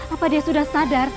apa dia sudah sadar